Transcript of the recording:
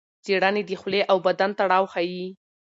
څېړنې د خولې او بدن تړاو ښيي.